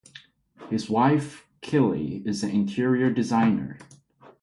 His wife, Kelli, is an interior designer.